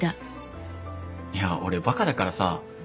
いや俺バカだからさ